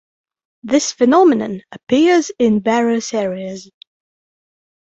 This phenomenon appears in various areas.